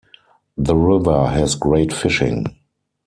The river has great fishing.